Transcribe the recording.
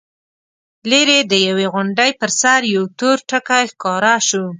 ليرې د يوې غونډۍ پر سر يو تور ټکی ښکاره شو.